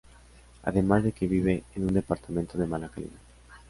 Además de que vive en un departamento de mala calidad.